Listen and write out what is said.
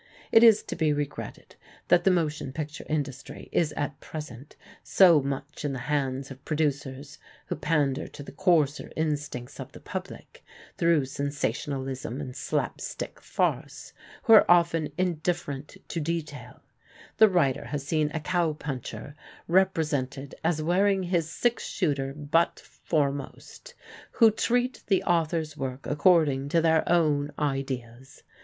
It is to be regretted that the motion picture industry is at present so much in the hands of producers who pander to the coarser instincts of the public, through sensationalism and slap stick farce; who are often indifferent to detail the writer has seen a cow puncher represented as wearing his six shooter butt foremost; who treat the author's work according to their own ideas.